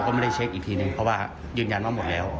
ก็ไม่ได้เช็คอีกทีนึงเพราะว่ายืนยันว่าหมดแล้ว